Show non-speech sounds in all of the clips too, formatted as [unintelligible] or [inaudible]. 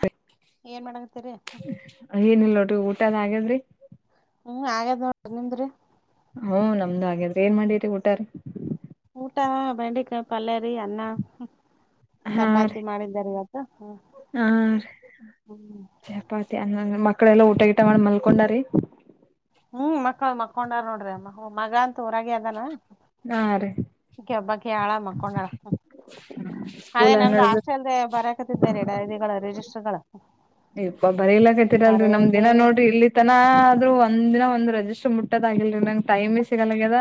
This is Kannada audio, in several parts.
ಹ ಏನ್ ಮಾಡಗತ್ತಿರಿ. ಏನಿಲ್ಲ ನೋಡ್ರಿ ಊಟದ ಆಗ್ಯದ್ರಿ. ಹ್ಮ್ ಹಾಗೇದ ನೋಡ್ರಿ ನಿಮ್ದ್ರಿ ಹ್ಮ ನಮ್ದು ಹಾಗ್ಯಾದ್ರಿ ಏನ್ ಮಾಡಿರಿ ಊಟಾರಿ. ಊಟಾ ಬೆಂಡಿಕಾಯಿ ಪಲ್ಲ್ಯಾರಿ ಅನ್ನ. ಹಾ ರೀ ಚಪಾತಿ ಮಾಡಿದ್ದೆರಿ ಇವತ್ತು ಹ ಹಾ ರೀ ಹ್ಮ ಚಪಾತಿ ಅನ್ನನ ಮಕ್ಕಳೆಲ್ಲಾ ಊಟಗೀಟ ಮಾಡಿ ಮಲ್ಕೊಂಡಾರೀ. ಹ್ಮ್ ಮಕ್ಳ ಮಕ್ಕೊಂಡಾರ ನೋಡ್ರಿ ಅಮ್ಮ ಮಗಾ ಅಂತು ಊರಾಗೆ ಅದಾನ. ಹಾ ರೀ ಈಕ್ಕಿ ಒಬ್ಬಕ್ಕೆ ಹಾಳ ಮಕೊಂಡಳ ಅದೇ ಸ್ಕೂಲ್ ಹೆಂಗ್ ನಮ್ದ ನಡ್ದ ಆಸ್ಟೆಲ್ದೆ ಬರಕ್ ಹತಿದ್ದಾರೆ ಡಾಯ್ರಿಗಳ ರಿಜಿಸ್ಟರ್ ಗಳ. ಇಪ್ಪ ಬರಿಲಾಕತ್ತೀರಲ್ರಿ ನಮ್ದ ಇನ ನೋಡ್ರಿ ಇಲ್ಲಿ ತನ ಆದ್ರು ಒಂದಿನ ಒಂದು ರೆಜಿಸ್ಟರ್ ಮುಟ್ಟದಾಗಿಲ್ರಿ ನಂಗೆ ಟೈಮೆ ಸಿಗಲ್ಲಗ್ಯಾದ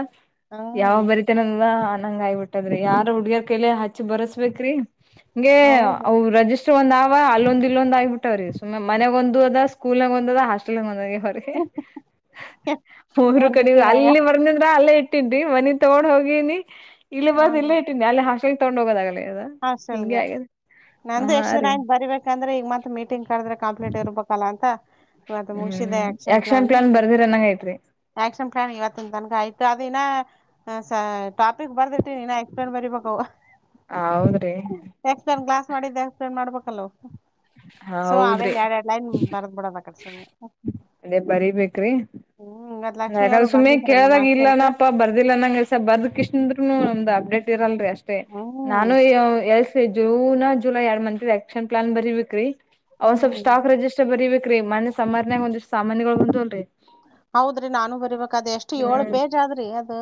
ಯಾವ ಹ್ಮ್ ಬರಿ ತಿನಿಲ್ಲ ಅನಂಗ್ ಆಗಬಿಟ್ಟದ್ರಿ ಯಾರ ಹುಡ್ಗರ್ ಕೈಲಿ ಹಚ್ಚಿ ಬರ್ಸ್ಬಬೇಕ್ರಿ. ಹಂಗೆ ಹೌದು ಅವು ರಜಿಸ್ಟರ್ ಒಂದ್ ಆವ ಅಲ್ಲೊಂದ್ ಇಲ್ಲೊಂದ್ ಆಬಿಟ್ಟ ಸುಮ್ಮೆ ಮನೆಗ ಒಂದು ಅದ ಸ್ಕೂಲ್ನೆಗ ಒಂದದ ಹಾಸ್ಟೆಲ್ನಾಗ ಒಂದಗೆವ್ರೀ. ಮೂರು ಮೂರ್ ಕಡಿ ದಿಕ್ಕಿಗ್ ಆಗ್ಯಾವ ಅಲ್ಲಿ ಬರದ್ನೆಂದ್ರ ಅಲ್ಲೇ ಇಟ್ಟ ಇಟ್ಟಿದ್ನಿ ಮನಿ ತಗೊಂಡ್ ಹೋಗೀನಿ ಇಲ್ಲಿ ಬರದ ಇಲ್ಲೆ ಇಟ್ಟೀನಿ ಅಲ್ಲಿ ಹಾಸ್ಟಲ್ ತಗೊಂಡ ಹೋಗೋದಾಗಲ್ಲಾಗ್ಯಾದ. ಹಾಸ್ಟಲ್ಗೆ ನಂದು ಎಷ್ಟ್ ದಿನ ರೀ ಆಯ್ತು ಬರಿಬೇಕ ಯಾಕಂದ್ರೆ ಈಗ ಮತ್ ಮೀಟಿಂಗ ಕದ್ರೆ ಕಂಪ್ಲೀಟ್ ಇರ್ಬೇಕಲ್ಲ ಅಂತ ಇವತ್ ಮುಗಿಸಿದೆ ಹ್ಮ್ ಆಕ್ಷನ್ ಯಾಕ್ಷನ್ ಪ್ಲಾನ್ ಬರ್ದಿರನ್ನಂಗ ಆತ್ರಿ. ಆಕ್ಷನ್ ಪ್ಲಾನ್ ಇವತ್ತಿನ ತನಕ ಆಯ್ತು ಅದಿನ್ನಾ ಹ ಸ ಟಾಪಿಕ್ ಬರ್ದಿಟ್ಟಿನಿ ಇನ ಎಕ್ಸ್ಪ್ಲೇನ್ ಬರೀಬೇಕ ಅವು. ಹ ಹೌದ್ರಿ ಎಕ್ಸ್ಪ್ರೇನ್ ಗ್ಲಾಸ್ ಮಾಡಿದ್ದೆ ಎಕ್ಸ್ಪ್ರೇನ್ ಮಾಡಬೇಕ ಅಲ್ಲವು. ಸೊ ಹೌದ್ರಿ ಅವೇನ್ ಯಾಡ್ ಯಾಡ್ ಲೈನ್ ಬರದ್ ಬಿಡೋದ ಅ ಕಡೆ ಸುಮ್ಮನೆ. ಯಾಕಾದ್ರ ಸುಮ್ಮನೆ ಕೇಳದಾಗ ಹಾಸ್ಟೆಲ್ಕ ಇಲ್ಲಾನಪ್ಪಾ ಬರ್ದಿಲ್ಲಾ ಅನ್ನಂಗೆ ಸ ಬರ್ದಕೇಸಿಂದ್ರುನು ನಮ್ದ್ ಅಪ್ಡೇಟ್ ಇರಲ್ ಅಷ್ಟೇ ಹ್ಮ್ ನಾನು ಎಲ್ಸ ಜೂನ್ ಜುಲೈ ಎರಡ್ ಮಂತ್ದ್ ಆಕ್ಷನ್ ಪ್ಲಾನ್ ಬರಬೇಕ್ರೀ. ಅವು ಸ್ವಲ್ಪ್ ಹ್ಮ್ ಸ್ಟಾಕ್ ರಿಜಿಸ್ಟರ್ ಬರೀಬೇಕ್ರೀ ಮನ್ನೆ ಸಮ್ಮರ್ನ್ಯಾಗ ಒಂದಷ್ಟ ಸಾಮಾನೆಗಳು ಬಂದುವಲ್ರಿ. ಹೌದ್ರಿ ನಾನು ಬರಿಬೇಕ ಅದ ಎಷ್ಟು ಏಳು ಹ್ಮ್ ಪೇಜ್ ಆದ್ರೀ ಅದು.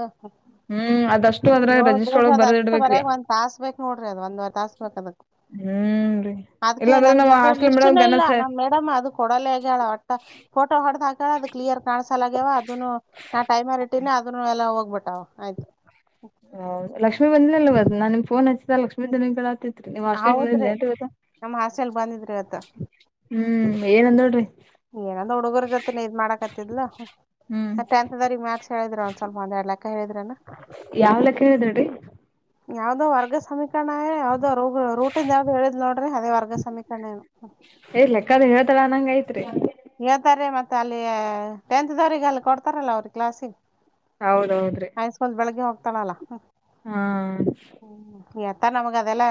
ಹ್ಮ್ ಅದಷ್ಟು ಅದ್ರಾಗ ಏಳು ರಜಿಸ್ಟರ್ ಪೇಜ್ ಒಳಗ್ ಅದ ಬರ್ದ ಅಷ್ಟ್ ಇಡ್ಬೇಕ್ರಿ ಬರ್ಯಾಗ ಒಂದ್ ತಾಸ್ ಬೇಕ್ ನೋಡ್ರಿ ಅದ ಒಂದುವರೆ ತಾಸ್ ಬೇಕ್ ಅದಕ್. ಹ್ಮ್ ರೀ ಅದಕ್ಕೆ ಇಲ್ಲಾಂದ್ರೆ ನಾವ್ ನಂದದು ಹಾಸ್ಟೆಲ್ ಲಿಸ್ಟ್ ಮೇಡಮ್ ನು ಇಲ್ಲ ಗನ ನಮ ಅದು ಕೊಡಲ್ಲೇಗೆಳ ಒಟ್ಟ ಫೋಟೋ ಹೊಡದ ಹಾಕೆಳ ಅದು ಕ್ಲಿಯರ್ ಕಾಣಸ ಸಲಾಗ್ಯವ ಅದನು ನಾ ಟೈಮರ್ ಇಟ್ಟೀನಿ ಅದನ್ನು ಎಲ್ಲ ಹೋಗ್ಬಿಟ್ಟಾವ ಆಯ್ತು. ಹ ಲಕ್ಷ್ಮೀ ಬಂದಲಿಲ್ಲ ಮತ್ ನಾ ನಿನ ಫೋನ್ ಹಚ್ಚಿದಾಗ ಲಕ್ಷ್ಮೀ ದನಿ ಕೇಳಾತ್ತಿತ್ತು ನಿಮ್ಮಾಷ್ಟ್ಲಿಗಿ ಹೌದ್ರಿ ಬಂದಿದ್ಲೇನ್ರಿ ಇವತ್ತ. ನಮ್ ಬಂದಿದ್ರ ಇವತ್ತ್ ಹ್ಮ್ ಏನಂದಳ್ರಿ. ಏನಂದ ಹುಡುಗರ ಜೊತೆನೆ ಇದ್ ಮಾಡಕತ್ತಿದ್ಲು ಹ್ಮ್ ಟೆಂತ್ ದವ್ರಿಗಿ ಮ್ಯಾತ್ಸ್ ಹೇಳಿದ್ರ ಒಂದ ಸ್ವಲ್ಪ ಒಂದ ಎಡ್ ಲಕ್ಕ ಹೇಳಿದ್ರನ. ಯಾವ ಲೆಕ್ಕ ಹೇಳಿದಳು ರೀ. ಯಾವ್ದೋ ವರ್ಗ ಸಮೀಕರಣ ಏ ಯಾವ್ದೋ ರು ರೂಟಿಂದ ಯಾವ್ದು ಹೇಳದ್ಲ್ ನೋಡ್ರಿ ಅದೇ ವರ್ಗ ಸಮೀಕರಣ ಏನು. ಇಏ ಲೆಕ್ಕಾದ ಹೇಳತಾಳ ಅನ್ನಂಗ ಐತ್ರಿ. ಹೇಳ್ತಾರ್ರಿ ಮತ್ತೆ ಅಲ್ಲಿ ಟೆಂತ್ ದವ್ರಿಗೆ ಅಲ್ಲಿ ಕೊಡ್ತಾರಲ್ಲ ಅವ್ರಿಗೆ ಕ್ಲಾಸಿಗಿ. ಹೌದೌದ್ರಿ ಹೈ ಸ್ಕೂಲ್ ಬೆಳಗ್ಗೆ ಹೋಗ್ತಳಲ್ಲ ಹ. ಹಾ ಹ್ಮ್ ಎಳತ್ತ ನಮಗ ಅದೆಲ್ಲ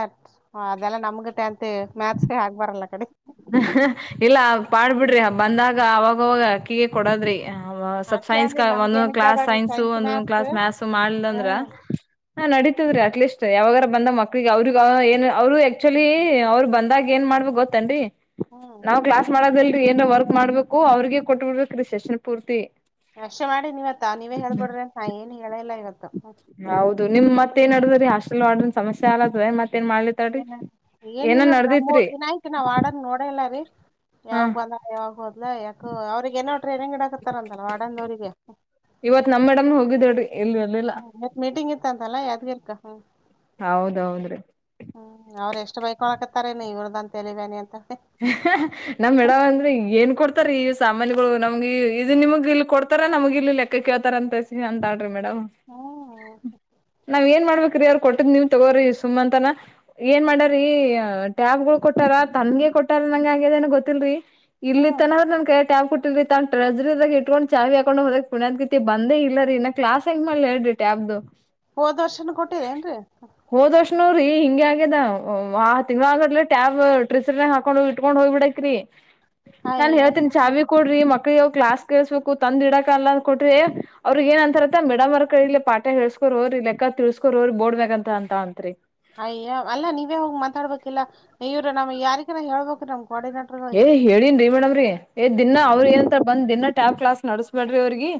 ಅದೆಲ್ಲಾ ನಮಗ ಟೆಂತ್ ಮ್ಯಾಥ್ಸ್ಗೆ ಆಗ್ಬಾರಲ್ಲ ಕಡೆ. ಇಲ್ಲ ಪಾಡ್ಬಿಡ್ರಿ ಬಂದಾಗ ಅವಾಗವಾಗ ಅಕ್ಕೀಗೆ ಕೊಡದ್ರಿ. ಸ್ವಪ್ ಅಷ್ಟೇ ಸೈನ್ಸ್ಕ ಅಂದಿ ನಮ್ಗೇನ ಒಂದೊಂದ್ ಕ್ಲಾಸ್ ಕೇಳ್ಬ್ಯಾಡ್ರಿ ಸೈನ್ಸ್ ಒಂದೊಂದ್ ಮ್ಯಾಥ್ಸ್ ಕ್ಲಾಸ್ ಮ್ಯಾತ್ಸ್ ಮಾಡ್ಲಿಲ್ಲ ಅಂದ್ರ ಹ್ಮ್ ನಾ ನಡೀತದ್ರೀ ಅಟ್ಲೀಸ್ಟ್ ಯಾವಾಗಾರ ಬಂದ ಮಕ್ಳಿಗೆ ಅವ್ರಗ ಏನು ಅವ್ರರು ಆಕ್ಚುಲಿ ಅವ್ರು ಬಂದಾಗ ಏನ್ ಮಾಡ್ಬೇಕ ಗೊತ್ತೇನ್ರಿ ಹ್ಮ್ ನಾವ್ ಕ್ಲಾಸ್ ಮಾಡದಲ್ರಿ ಏನ ವರ್ಕ್ ಮಾಡ್ಬೇಕು ಅವ್ರಗೆ ಕೊಟ್ಬ ಬಿಡ್ಬೇಕ್ರೀ ಸೆಷನ್ ಪೂರ್ತಿ. ಅಷ್ಟೆ ಮಾಡಿನಿ ಇವತ್ತ ನೀವೇ ಹೇಳ್ಬಿಡ್ರಿ ಅಂತ್ ನಾ ಏನು ಹೇಳೇ ಇಲ್ಲ ಇವತ್ತು. ಹೌದು ನಿಮ್ ಮತ್ತೇನ್ಡದದ್ರೀ ಹಾಸ್ಟೆಲ್ ವಾರ್ಡನ್ ಸಮಸ್ಯೆ ಆಲತದ ಮತ್ತೇನ್ ಮಾಡ್ಲಿ ಏನ ಏನ್ ಇಲ್ಲೊಡ್ರ ನಮ್ ಮೂರ್ ದಿನ ಆಯ್ತು ನಾವ್ ವಾರ್ಡನ್ ನೋಡೆ ಇಲ್ಲ ರೀ ಹಾ ಯಾವಗ್ ಬಂದ ಯಾವಾಗಬೋದಲಾ ಯಾಕೋ ಅವ್ರಿಗೆ ಏನೋಟ್ರೆ ಇಗಡಾಕತ್ತಾರ ಅಂತಲ್ಲ ವಾರ್ಡನ್ ದೋರಿಗೆ. ಇವತ್ ನಮ್ ಮೇಡಮ್ನ ಹೋಗಿಳ್ರೀ ಇಲ್ಲಿ ಬರ್ಲಿಲ್ಲ. ಮತ್ ಮೀಟಿಂಗ್ ಇತ್ತ್ ಅಂತಲ್ಲಾ ಯಾತ್ಗೀರ್ ಕ. ಹೌದೌದ್ರಿ ಹ್ಮ್ ಅವ್ರ ಎಷ್ಟ್ ಬೈಕೊಳಕತ್ತಾರೇನು ಇವ್ರದೊಂದ್ ತೇಲಿಬ್ಯಾನಿ ಅಂತ ನಮ್ ಮೇಡಮ್ ಅಂದ್ರೆ ಏನ್ ಕೊಡ್ತಾರ್ರೀ ಸಾಮಾನಿಗೊಳು ನಮ್ಗೆ ಇದು ನಿಮಗ್ ಇಲ್ಲಿ ಕೊಡ್ತ ರ ನಮಗ ಇಲ್ಲಿ ಲೆಕ್ಕ ಕೇಳ್ತರ ಅಂತ ಅಂತಾಳ್ರಿ ಮೇಡಮ್ ಹ್ಮ್ ನಾವ್ ಏನ್ ಮಾಡ್ಬೇಕ್ರೀ ಅವ್ರ ಕೊಟ್ಟದ್ ನೀವ ತಗೋರಿ ಸುಮ್ಮಂತನ ಏನ್ ಮಾಡರಿ ಟ್ಯಾಬ್ಗೊಳು ಕೊಟ್ಟಾರ ತನ್ಗೆ ಕೊಟ್ಟ ಟ್ಟರನ್ನಂಗ ಆಗೆದನ ಗೊತ್ತಿಲ್ರಿ. ಇಲ್ಲಿ ಹ್ಮ್ ತನ ಆದ್ರ ನನ್ ಕೈಯಾಗ್ ಟ್ಯಾಬ್ ಕೊಟ್ಟಿಲ್ರಿ ತನ್ ಟ್ರೆಜರಿದಾಗ ಇಟಕೊಂಡು ಚಾವಿ ಹಾಕೊಂಡ್ ಹೋದಾಕಿ ಪುಣ್ಯಾತ್ ತೆ ಬಂದೇ ಇಲ್ಲ ರೀ ನ ಕ್ಲಾಸ್ ಹೆಂಗ ಮಾಡ್ಲಿ ಹೇಳ್ರಿ ಟ್ಯಾಬ್ದು. ಹೋದ್ ವರ್ಷನ ಕೊಟ್ಟಿದೆ ಏನ್ರಿ. ಹೋದ್ ವರ್ಷನು ರೀ ಹಿಂಗೆ ಆಗ್ಯದ ಆ ತಿಂಗ್ಳಾನ್ಗಟ್ಲೆ ಟ್ಯಾಬ್ ಟ್ರಿಸರ್ನೆಗ ಹಾಕ ಕೊಂಡ್ ಇಟ್ಕೊಂಡು ಹೋಗ್ಬಿಡಕ್ರಿ ನಾನ್ ಅಯ್ಯ ಹೇಳ್ತೀನಿ ಚಾವಿ ಕೊಡ್ರಿ ಮಕ್ಳಗಿ ಅವ್ ಕ್ಲಾಸ್ ಕೇಳಸ್ಬೇಕು ತಂದ್ ಇಡಕ ಅಲ್ಲ ಅ ಕೊಟ್ರಿ ಅವ್ರಿಗೆ ಏನ್ ಅಂತಾರತ್ತ ಮೇಡಮ್ ಅವರ ಕೈಲ್ಲಿ ಪಾ ವಟ್ಟ ಹೇಳ್ಸಕೋರೋರಿ ಲೆಕ್ಕ ತಿಳ್ಸಕೋಡ್ರಿ ಹೋಗ್ರಿ ಬೋಡ್ಬೇಕ ಅಂತ ಅಂತಳ ಅಂತ್ರಿ. ಅಯ್ಯ ಅಲ್ಲ ನೀವೇ ಹೋಗಿ ಮಾತಾಡ್ಬೇಕಿಲ್ಲ ಇವರು ನಾವ್ ಯಾರಿಗ ಹೇಳ್ಬೇಕು ನಮ್ ಕೋರ್ಡಿನೇಟರ್ ಏ ಹೇಳನ್ರಿ ಮೇಡಮ್ರೀ ಏ ದಿನ ಹ್ಮ್ ಅವ್ರ ಏನಂತರ ಬಂದ್ ದಿನ್ನ ಟ್ಯಾಬ್ ಕ್ಲಾಸ್ ನಡ್ಸಬ್ಯಾಡ್ರಿ ಅವ್ರಿಗಿ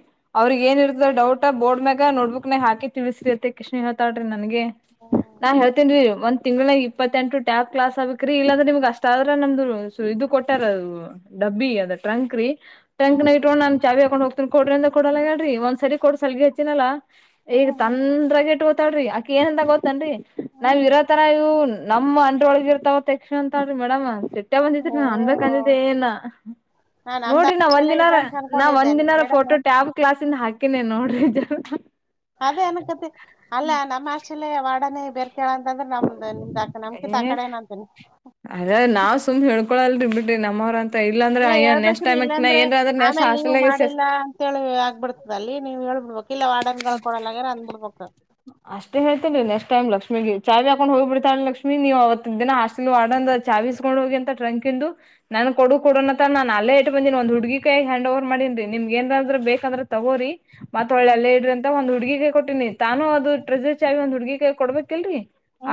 ಅವ್ರಿಗಿ ಏನಿರತದ ಡೌಟ್ ಬೋಡ್ ಮ್ಯಾಗ ನೋಟ್ ಬುಕ್ನಗ ಹಾಕ ತಿಳಸ್ರಿ ಅತ್ತ ಹೇಳಿಕೇಸಿಂದ ಹೇಳ್ತರ್ರೀ ನನ್ಗೆ. [inaudible] ಒಂದ ತಿಂಗ್ಗಳ ಇಪ್ಪತ್ತೆಂಟು ಟ್ಯಾಬ್ ಕ್ಲಾಸ್ ಆಗ್ಬೇಕ್ರಿ ಇಲ್ಲಾ್ರೆ ನಿಮ್ ಅಷ್ಟ ಆದ್ರ ನಮ್ದು. ಇದು ಕೊಟ್ಟಾರ ಅದು ಡಬ್ಬಿ ಅದ ಟ್ರಂಕ್ ರೀ ಟಂಕ್ ಹ್ಮ್ ನಾಗ ಇಟ್ಕೊಂಡ ನಾನು ಚಾವಿ ಹಾಕೊಂಡು ಹೋಗ್. ಕೊಡಿ ಅಂದ್ರು ಕೊಡಲಾಗ್ಯಾಳ ರಿ ಒಂದು ಸಲ ಕೊಟ್ಟು ಸಲ್ಗಿ ಹಚ್ಚಿ ನಲ. ಹ್ಮ್ ಈಗ ಹ್ಮ್ ತಂದಗ ಇಟ್ ಗೊತಾಡ್ರಿ ಅಕ ಏನಂತ ಗೊತ್ತ. ನ್ರಿ ನಾವ್ ಹ್ಮ್ ಇರೋತರ ಇವು ನಮ್ ಅಂಡ್ರೊಳಗ ಇರ್ತಾವ ತ ಯಕ್ಷ ಅಂತಿ ಮೇಡಮ್ ವಿದ್ಯಾವಂತ. ನ ಅಯ್ಯೋ ಅನ್ಬೇಕಂದಿದ್ದೆ ಏನ್. ನಾ ನಮ್ದ ನೋಡ್ರಿ ನಾ ಒಂದ್ ಹಾಸ್ಟೆಲೇ ಇದ ದಿನಾರ ಅಂತ ನಾ ಅನ್ಕೊಂಡಿದ್ದೆ ಒಂದ್ ನಿಮ್ ದಿನಾರ ಮೇಡಮ್ ಫೋಟೋ ಟ್ಯಾಬ್. ಕ್ಲಾಸಿಂದ ಹಾಕಿನನೆ ನೋಡ್ರಿ. ಅದೇ ಅನ ಕತ್ತಿನಿ ಅಲ್ಲಾ ನಮ್ಮ ಹಾಸ್ಟೆಲ್ ವಾರ್ಡನ್ ಬೆರೆ. ಕೇಳಕ ಅಂದ್ರೆ ನಮ್ದ ನಮ್ದ ನಮಕಿತ ಆಕಡೆ ಅತ. ಅದೇ ನಾವ್ ಸುಮ್ ಹೇಳ್ಕೊಳಲ್ರಿ ಬಿಟ್ರಿ ನಮ್ಮವ್ರಂತ. ಇಲ್ಲಂದ್ರೆ ಇಲ್ಲ ಅಯ ನಕ್ಸ್ಟ್ ಹೇಳ್ಬೇಕ್ರಿ ಟೈಮ ಏನ್ ಆದರ ಹಾಸ್ಟೆಲ್ ನ್ಯಾಗ ಸೇರಿಸಲ್ಲ. ಿ [unintelligible] ಆಗ್ಬಿಡ್ತದ ಅಲ್ಲಿ ನೀವ ಹೇಳ್ಬ ಬಿಡ್ಬೇಕು ಇಲ್ಲ ವಾಡನ್ಗಳು ಕೊಡಲ್ಲ ಆಗರ ಅಂದಬ ಬಿಡ್ಬೇಕು. ಅಷ್ಟೇ ಹೇಳ್ತೀನ್ರೀ ನೆಕ್ಸ್ಟ್ ಟೈಮ ಲಕ್ಷ್ಮೀ ಚಾವಿ ಹಾಕೊಂಡು ಹೋಗಿ ಬಿಡ್ತಾಳ ಲಕ್ಷ್ಮಿ ನೀ ಅವವತ್ ದಿನ ಆಷ್ಟ. ನೀ ವಾರ್ಡನದು ಜಾವಿ ಇಸ್ಕೊಂಡು ಹೋಗಿ ಅಂತ ಟ್ರಂಕ ಇಂದು. ನನ್ ಕೊಡು ಕೊಡೋನತ್ರ ನಾನನ್ ಅಲ್ಲೇ ಇಟ್ಟ ಬಂದಿನಿ ಒಂದ್ ಹುಡ್ಗ ಕಾಯಿ ಹ್ಯಾಂಡ್ಓವರ್ ಮಾಡಿನ್ರಿ ನಿಮ್ಗೆ ನ್ ಅಂದ್ರ ಬೇಕಂದ್ರೆ ತಗೋರಿ. ಮತ್ತ ಹ್ಮ್ ಒಳ್ಳೆಲ್ಲ ಇಡ್ರಿ ಅಂತ ಒಂದ್ ಹುಡುಗಿಗೆ ಕೊಟ್ಟಿನಿ ತಾನು ಅದು ಟ್ರೆಸರ್ ಚಾವಿ ಒಂದ್ ಹುಡ್ಗಿಗೆ ಕೊಡ್ಬೇಕಲ್ರರಿ.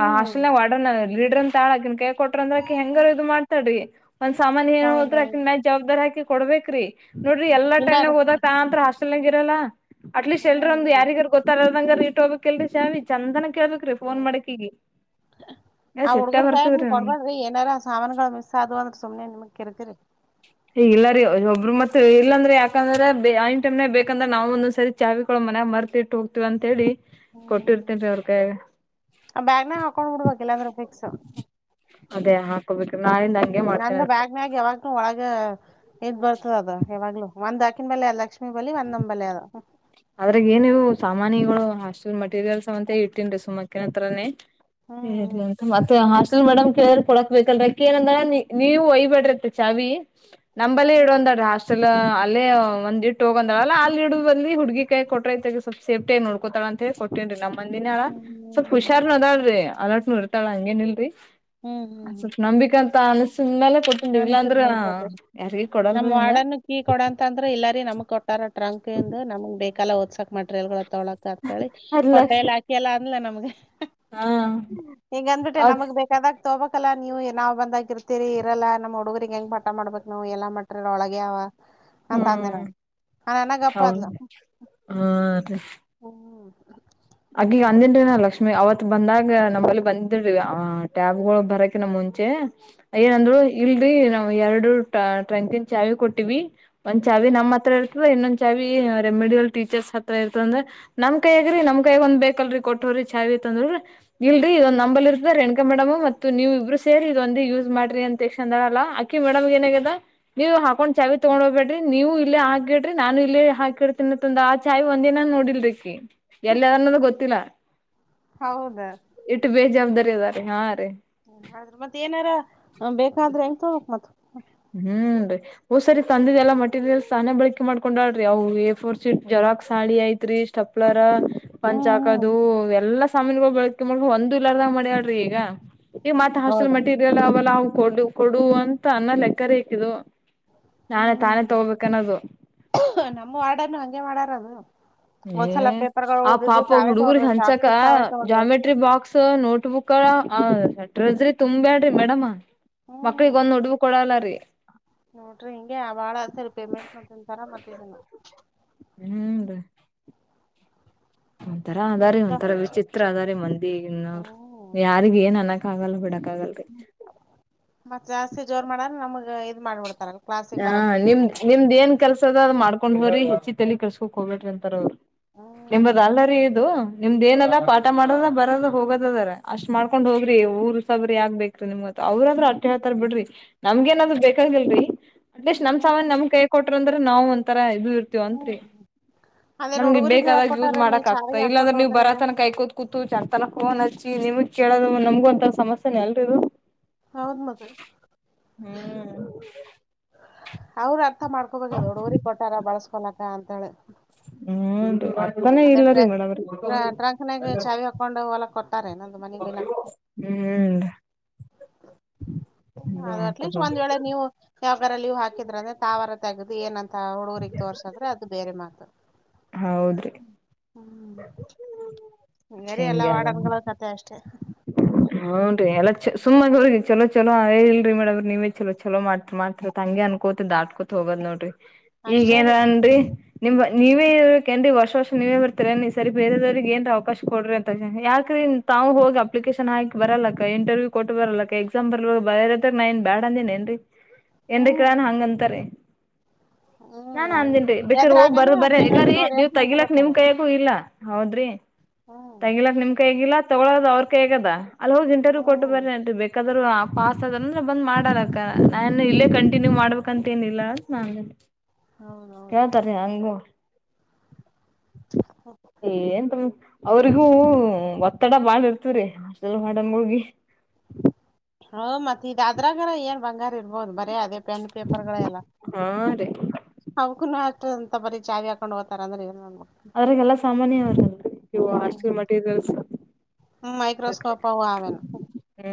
ಆ ಹಾಸ್ಟೆಲ್ ವಾರ್ಡನ್ ಲೀಡ್ರನ್ ತಾಳಗನ್ ಹಕ್ಕಿನ ಕೈಯಲ್ಲಿ ಕೊಟ್ರ ಅಂದ್ರ. ಹಾಕಿ ಹೆಂಗಾರ ಹ್ಮ್ ಇದು ಮಾಡ್ತಾ್ರಿ ಒಂದ್ ಸಾಮಾನನ್ ಏನ್ ಹೋದ್ರಕ ಹೌದೌದು ನ ಜವಾಬ್ದಾರಿ ಹಾಕಿ ಕೊಡ್ಬೇಕ್ರಿ. ನೋಡ್ರಿ ಎಲ್ಲ ಟೈ್ನಾಗ ಇಲ್ಲಾರಿ ಹೋದಾಗ ತಾಂತ್ರ ಹಾಸ್ಟೆಲ್ನಾಗ ಇರಲ್ಲ ಅಟ್ಲೀಸ್ಟ್ ಹ್ಮ್ ಎಲ್ರ ಒಂದು ಹ್ಮ್ ಯಾರಿಗಾರ ಗೊತ್ತಲ್ಲ. ನಂಗಾದ್ರೂ ಇಟ್ ಹೋಗಬಕಲ್ರಿ ಚಾವಿ ಚಂತೆನ ಕೇಳ್ಬೇಕ. ಎ ಹ್ಮ್ ಫೋನ್ ಮಾಡಕ್ಕಿಗಿ ಏ ಸಿಟ್ಟ ಬರ್ತದ್ರೀ ನಮ್ಮಗೆ. ಅವಿ ಏನಾರ. ಸಾಮಾನಗಳು ಮಿಸ್ ಆದವ್ ಅಂದ್ರೆ ಸುಮ್ನೆ ನಿಮಗ್ ಕಿರಿಕಿರಿ. ಏ ಇಲ್ಲ ರೀ ಒಬ್ಬರು ಮತ್ ಇಲ್ಲಾಂದ್ರೆ ಯಾಕಂದ್ರೆ ಐನ್ ಟೈಮ್ನೆ ಬೇಕಂದ್ರೆ ನಾವು ಒಂದೊಂದ್ಸರಿ. ಚಾವಿ ಕೊಳ ಮನ್ಯಾಗ ಮರ್ತಿ ಇಟ್ಟ ಹೋಗ್ತಿವ್ ಅಂತೇಳಿ ಕೊಟ್ಟಿರ್ತೇನ್ ರಿ ಅವ್ರ ಕೈಯಗ. ಆ ಬ್ಯಾಗ್ನಾಗ್ ಹಾಕೊಂಡ್ ಬಿಡ್ಬೇಕ್ ಇಲ್ಲಾಂದ್ರೆ ಫಿಕ್ಸ್. ಅದೇ ಹಾಕೋಬೇಕು ನಾಳಿಂದ ಹಂಗೆ ಮಾಡ್ತಿನಿ. ನಂದ ಬ್ಯಾಗ್ ಮ್ಯಾಗ ಯಾವಾಗ್ಲೂ ಒಳಗೆ. ಎದ್ ಬರ್ತದ ಅದು ಯಾವಾಗ್ಲು ಒಂದ್ ಆಕಿನ ಬಲೆ ಲಕ್ಷ್ಮೀ ಬಲಿ ಒಂದ್ ನಮ್ಮ್ ಬಲಿ ಅದವ್. ಅದ್ರಾಗ ಏನಿವು ಸಾಮಾನಿಗಳು ಹಾಸ್ಟೆಲ್ ಮಟೀರಿಯಲ್ಸ್ ಅವ ಅಂತ ಇಟ್ಟೀನ್ ರೀ ಸುಮ್ಮಕ್ ಕೇಳತರನೆ. ಹ್ಮ ಹ್ಮ್ ಹ್ಮ ಮತ್ತೆ ಹಾಸ್ಟೆಲ್. ನಮ್ಮ್ ಮೇಡಮ್ ಕೇಳ್ರೆ ಕೊಡಕ್ಬೇಕಲ್ರ ಅಕಿ ಏನಂದ್ರ ನೀವು ಒಯ್ಬಡ್ರತ್ತ ಚಾವಿ. ನಂಬಲ್ಲಿ ಹ್ಮ್ ಇಡೋಂದ ಹಾಸ್ಟೆಲ್ ಅಲ್ಲೇ ಒಂದ್ ಇಟ್ಟ್ ಹೋಗಂದಳಲ್ಲ ಅಲ್ಲಿ ಇಡೊವಲ್ಲಿ ಈ ಹುಡುಗಿ ಕೈ ಕೊಟ್ರೆ ಆಯಿತ್ತು ಸ್ವಲ್ಪ್ ಸೇಫ್ಟಿ ಆಗಿ ನೋಡ್ಕತಳಂತ ಹೇಳಿ ಕೊಟ್ಟೇನ್ ರೀ ನಮ್ ಮಂದಿನಾಳ ಸ್ವಲ್ಪ್ ಹ್ಮ್ ಹುಷಾರ್ನು ಇದಾಳ್ರಿ ಅಲೋಟ್ನು ಇರ್ತಾಳ ಹಂಗೇನ್ ಇಲ್ರಿ ಹ್ಮ್ ಹ್ಮ್ ಸ್ವಲ್ಪ ನಂಬಿಕಂತ ಅನ್ಸಿದ್ ಮೇಲೆ ಕೊಟ್ಟ್ ಇ ನಾನು ಇಲ್ಲ ಸುದ್ ಅಂದ್ರೇ ಯಾರಿಗ್ ಕೊಡಲ್ರಿ ಹಂಗ. ಈ ಕೊಡಂತ ಅಂದ್ರೆ ಇಲ್ಲಾರಿ ನಮ್ ಕೊಟ್ಟಾರ ಟ್ರಂಕ್ ಇಂದ್ ನಮಗ್ ಬೇಕಲ್ಲ ಒದ್ಸಾಕ್ ಮಟೀರಿಯಲ್ಗಳು ತೊಗಳಕ್ ಅದ್ [inaudible] ಲಕ್ಷ ಹೊಟ್ಟೆಲ್ಲ ಹಾಕಿ ಎಲ್ಲ ಅಂದ್ಲ ನಮ್ಗೆ ಹಾ ಹಿಂಗಂದ್ಬಿಟೆ ಅದ್ ನಮಗ್ ಬೇಕ ದಾಗ ತೋಬೇಕಲ್ಲಾ ನೀವು ನಾವ್ ಬಂದಾಗಿ ಇರ್ತೀರಿ. ಇಲ್ಲ ನಮ್ ಹುಡುಗರಿಗೆ ಹೆಂಗ ಪಾಠ ಮಾಡ್ಬೇಕಕ್ ನಾವು ಎಲ್ಲಾ ಮೆಟೆರಿಯಲ್ ಒಳಗೆ ಅವ. ಹಂತ ಅಂದೆ ಹ್ಮ್ ನಾನು ಆನ್ನಗಪ್ಪ ಆದ್ಲ್. ಹೌದ್ ಹಾ [inaudible] ಅಗೀಯ ಅಂದೆನ್ರಿ ಲಕ್ಷ್ಮಿ ಅವತ್ ಬಂದಾಗ ನಮ್ಮಲ್ಲಿ ಬಂದಿಡ್ ಆ ಟ್ಯಾಬ್ಗಳು ಬರಕ್ಕಿನ್ನ ಮುಂಚೆ. ಹ್ಮ್ ಏನಂದ್ರು ಇಲ್ರಿ ನಾವ್ ಎರಡು ಟ ಟ್ರಂಕಿನ್ ಚಾವಿ ಕೊಟ್ಟಿವಿ. ಒಂದ್ ಚಾವಿ ನಮ್ ಹತ್ರ ಇರ್ತದ ಇನ್ನೊಂದ್ ಚಾವಿ ರೆಮಿಡಿಯಲ್ ಟೀಚರ್ಸ್ ಹತ್ರ ಇರ್ತವೊಂದ್. ನಮ್ ಕೈಯಗ್ರೀ ನಮ ಕೈಯಗ ಒಂದ್ ಬೇಕಲ್ರರಿ ಕೊಟ್ಟವ್ರಿ ಚಾವಿ ತಂದ್ರೂವೆ ಇಲ್ರಿ ಇ ನಂಬಲ್ ಇರ್ತದ್ರೇನ್. ಮೇಡಮ್ ಮತ್ತು ನೀವಿಬ್ರು ಸೇರಿ ಇದೊಂದೇ ಯೂಸ್ ಮಾಡ್ರಿ ಇಷಂಡಳಲ್ಲ ಆಕಿ ಮೇಡಮ್ಗೆನಗದ. ನೀವು ಹಾಕೊಂಡ್ ಚಾವಿ ತಗೊಂಡ್ ಹೋಗ್ಬೇಡ್ರಿ ನೀವು ಇಲ್ಲೇ ಹಾಕಿಡ್ರಿ ನಾನು ಇಲ್ಲೆ ಹಾಕಿಡ್ತೀನಿ. ತ್ತೊಂದು ಆ ಚಾವಿ ಒಂದಿನನು ನೋಡಿಲ್ರೀಕಿ ಎಲ್ಲದೆನ್ನೋದು ಗೊತ್ತಿಲ್ಲ. ಹೌದ. ಇಟ್ಟು ಬೇಜವಾಬ್ದಾರಿ ಅದಾರೆ ಹಾ ರೀ. ಅದ್ರ ಮತ್ತ್ ಏನಾರ ಬೇಕಾದ್ರೆ ಹೆಂಗ ತೆಗಕ್ ಮತ್. ಹ್ಮ್ ಡೆ. ಓ ಸರಿ ತಂದಿದ್ದೆಲ್ಲ ಮಟೀರಿಯಲ್ಸ್ ತಾನೇ ಬಳಕೆ ಮಾಡ್ಕೊಂಡಾಳ್ರಿ ಅವು ಎಫೋರ್ ಶೀಟ್ ಜರಾಕ್ಸ್ ಹಾಳಿ ಐತ್ ರಿ. ತಪ್ಲಾರ. ಪಂಚ್ ಹ್ಮ್ ಹ್ಮ್ ಹಾಕದು ಎಲ್ಲಾ ಸಾಮನ್ಗಳು ಬೆಳಕಿ ಮಾಡ ಒಂದು ಇಲರ್ದಾಂಗ ಮಾಡ್ಯಾಳ್ರಿ ಈಗ. ಈ ಮಟ್ಟ ಹಾಸ್ಟೆಲ್ ನೋಡ್ರಿ ಮಟೀರಿಯಲ್ ಅವಲ್ಲ ಅವ ಕೊಡು ಕೊಡು ಅಂತ ಅನ್ನ ಲೆಕ್ಕರೆ ಈಕೆದು. ನಾವೆ ತಾನೇ ತಗೋಬೇಕನ್ನೋದು. ನಮ್ಮ ವಾರ್ಡನ್ನು ಹಂಗೆ ಮಾಡಾರದ. ಏ ಆ ಪಾಪ ತಾವೇ ಹುಡುಗರ್ಗ್ ತಗೊಂಡ್ರು ಚಾಕ್ ಹಂಚಕ ಪೀಸ್ ತಾವೇ ತಗೊಂಡ್ರು ಜಾಮೆಟ್ರಿ ಬಾಕ್ಸ್. ತ್ ನೋಟ್ ಬುಕ್ಕ್ ಆ ಟ್ರೆಜರಿ ತುಂಬ್ಯಾಡ್ರಿ ಮೇಡಮ್. ಹ್ಮ್ ಮಕ್ಳಿಗೊಂದು ನಡುವ್ ಕೊಡಲ್ಲ ರೀ. ನೋಡ್ರಿ ಹಿಂಗೆ ಆ ಬಾಳ ಸರಿ ಪೇಮೆಂಟ್ನು ನೋಂತರ ಮತ್ ಇದುನ್ನು. ಹ್ಮ್ ರಿ. ಒಂಥರ ಅದಾರಿ ಒಂಥರ ವಿಚಿತ್ರ ಅದಾರೆ ಮಂದಿ ಇನ್ನು ಹ್ಮ್ ಯಾರಿಗೆ ಏನ್ ಅನ್ನ. ಕಾಗಲ್ ಬಿಡಕ್ಕಾಗಲ್ ರಿ. ಹ್ಮ ಮತ್ತ್ ಜಾಸ್ತಿ ಜೋರ್ ಮಾಡಾದ್ರೆ ನಮ್ಗ್ ಇದ್ ಮಾಡ್ಬಿಡ್ತಾರಲ್. ಕ್ಲಾಸಿಗ್ ಹ ಬರಕ್ ಇದ್ ನಿಮ್ ಮಾಡಲ್ಲ ನಿಮ್ದ ಏನ್ ಕೆಲ್ಸ ಅದ ಅದ್ ಮಾಡ್ಕೊಂಡ್ ಬರ್ರಿ ಹೆಚ್ಚಿಗ್ ತಲಿ ಕೆಲ್ಸ್ಕೊಕ್ ಹೋಗಬೇಡ್ರಿ ಅಂತಾರ ಅವ್ರು. ನಿಂಬದ ಹ್ಮ್ ಅಲ್ಲರಿ ಇದು ನಿಮ್ದ ಏನದ ಹ್ಮ್ ಪಾಠ ಮಾಡದ ಬರದು. ಹೋಗತದಾರ ಅಷ್ಟ್ ಮಾಡ್ಕೊಂಡ್ ಹೋಗ್ರಿ ಊರ್ ಉಸಾಬರಿ ಯಾಕ್ ಬೇಕ್ರಿ ನಿಮ್ಗತ್ ಅವ್ರ ಆದ್ರೂ ಅತೀ ಆತರ ಬಿಡ್ರಿ. ನಮ್ಗೆ ಏನಾದ್ರು ಬೇಕಾಗಿಲ್ರಿ ಅಟ್ಲೀಸ್ಟ್ ನಮ್ ಸಾಮಾನ್ ನಮ್ ಕೈ ಕೊಟ್ರ ಅಂದ್ರೆ ನಾವ್ ಒಂತರ ಇದು. ಅಂತ್ರಿ ಹ್ಮ್ ಅದೇನ್ ನಮ್ಗೆ ಹುಡುಗರಿಗ್ ಹೇಳಕ್ ಬೇಕಾದಾಗ ಯೂಸ್ ಕೊಟ್ಟಾರ ನೀವ್ ಮಾಡಕ್ ಆಗ್ತಾ ಶಾವಿಗೆ ಇಲ್ಲಂದ್ರ ಹಾಕೊಂಡ್ ನೀವು ಹೋದ್ರೆ ಬರಾತನ ಕಾಯಕೋ. ಕೂತು ಚೆಂತನ ಫೋನ್ ಹಚ್ಚಿ ನಿಮಗ್ ಕೇಳೋದು ನಮಗೂ ಅಂತ ಸಮಸ್ಯೆನೆ ಅಲ್ರಿ ಇದು. ಹೌದ್ ಮತ್ತ. ಹ್ಮ್. ಅವ್ರ ಅರ್ಥ ಮಾಡ್ಕೋಬೇಕ ದೊಡ್ಡ ಊರಿಗೆ ಕೊಟ್ಟಾರ ಬಳಸ್ಕೊಲಕ ಅಂತೇಳಿ. ಹ್ಮ ಬತ್ತನೆ ಅದೇನ್ ಇಲ್ಲರಿ ಮೇಡಂ ಅವ್ರ. ತೊಂಡ್ ಹೊಲಕ್ ಕೊಟ್ಟಾರೇನ. ಹ್ಮ್. ಅದು ಅಟ್ಲೀಸ್ಟ್ ಒಂದ ವೇಳೆ ನೀವು ಯಾವಾಗಾರ ಲೀವ್ ಹಾಕಿದ್ರ ಅಂದ್ರೆ ತಾವರ ತೆಗುದು ಏನಂತ್. ತ್ ಅವ್ರ್ ಅವ್ರಿಗ್ ತೋರ್ಸಿದ್ರೆ ಅದು ಬೇರೆ ಮಾತು. ಹೌದ್ರಿ ಹ್ಮ್ ಹ ಹಂಗರಿ ಎಲ್ಲಾ ಹಿಂಗೆ ವಾಡನ್ಗಳ ಕತೆೆ ಅಷ್ಟೇ. [unintelligible] ಹ್ನ್ ರೀ ಎಲ್ಲ ಚ ಸುಮ್ಮಗೆ ಚಲೋ ಚಲೋ ಇಲ್ರಿ ಮೇಡವ್ರೀ ನೀವೇ ಚಲೋ ಚಲೋ ಮಾಡ್ತ್ ಮಾಡ್ತ. ತಂಗಿ ಅನ್ಕೋತ ದಾಟ್ಕೂತ್ ಹೋಗೋದ್ ನೋಡ್ರಿ ಈಗ ಅಷ್ಟೇ ರೀ ಏನನ್ರಿ ನಿಮ್ಮ ನೀವೆ. ಕೆನ್ ವರ್ಷ ವರ್ಷ ನೀವೇ ಬರ್ತಿರಿ ಎನ್ ಈ ಸರಿ ಬೇರೆದವ್ರಗ ಏನ್ ಅವಕಾಶ ಕೊಡ್ರಿ ಅಂತ ಯಾಕ್ರಿ. ತಾವು ಹೋಗಿ ಅಪ್ಲಿಕೇಶನ್ ಹಾಕ್ ಬರಲ್ಲಕ್ಕ ಇಂಟರ್ವ್ಯೂ ಕೊಟ್ಟು ಬರಲ್ಲಕ್ಕ ಎಕ್ಸಾಮ್ ಬರ್ಲ್ ಬರ ಯಾದ್ ನಾನ್ ಬ್ಯಾಡ ಅಂದೇನೇನ್ರಿ. ಏನ್ರಿ ಹ್ಮ್ ಕಳಾನ ಹಂಗಂತಾರೆ ಹ್ಮ್ ನಾನ್ ಹಂಗ ಅಂದನ್ರಿ ಬೇಕ್ರ ಹೋಗ್ ಎದ್ರಾಗನ ಬರದ್ ಬೇರೆಯವ್ರ [unintelligible] ತೋರಿ ನೀವ್ ಅಂತ ನಿಂತ ತೆಗಿಲಕ್ ನಿಮ್ ಬಿಡ್ತಾರ ಕೈಯಗೂ ಇಲ್ಲ ಹೌದ್ರಿ ಹ್ಮ್ ತಗಿಲಕ್ ನಿಮ್ ಕೈಯಗು ಇಲ್ಲ. ತಗೋಳೋದ ಅವ್ರ ಕೈಯಾಗೇ ಅದಾ ಅಲ್ಲಿ ಹೋಗ ಇಂಟರ್ವ್ಯೂ ಕೊಟ್ಟ ಹ್ಮ್ ಬರ್ರಿ ಬೇಕಾ ಆದ್ರು ಪಾಸ್ ಆದಾರಂದ್ರ ಬಂದ್ ಮಾಡಾಲಕ್ಕ ನಾನು ಇಲ್ಲೇ ಕಂಟಿನ್ಯೂ ಮಾಡ್ಬೇಕಂತ ಏನ ಇಲ್ಲ [unintelligible] ಹೌದೌದು ಕೇಳ್ತಾರಿ ಹ್ಮ್ ಅಂಗು. ಹ್ಮು [unintelligible] ಅವ್ರಿಗೂ ಒತ್ತಡ ಬಾಳ ಇರ್ತ್ರೀ ಹಾಸ್ಟೆಲ್ [unintelligible] ಹೌ ಮತಿಗ್ ಅದ್ರಗರ ಏನ್ ಬಂಗ ಇದ್ರು ಇರ್ಬೋದು ಬರೀ ಅದೇ ಪೆನ್ ಪೇಪರ್ಗಳೆಲ್ಲ. ಹಾ ರೀ ಅವಕೂನು ಅಷ್ಟ ಅಂತ ಬರಿ ಚಾವಿ ಹಾಕೊಂಡ ಹೋಗ್ತಾರ [unintelligible] ಅವ್ರಿಗೆಲ್ಲ ಸಾಮಾನ್ಯ [unintelligible] ಹ್ಮ ಮೈಕ್ರೋಸ್ಕೋಪ ಅವು ಆವ್ ಏನೋ. ಹ್ಮ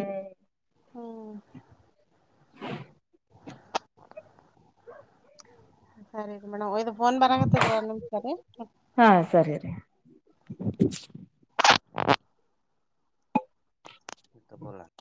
ಸರಿ ರೀ ಮೇಡಮ್ ಇದು ಫೋನ್ ಬರಕತ್ತದರಿ [unintelligible] ಹಾ ಸರಿ ರಿ. [unintelligible]